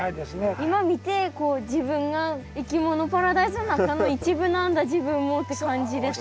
今見てこう自分がいきものパラダイスの中の一部なんだ自分もって感じです。